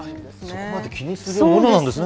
そこまで気にするものなんですね。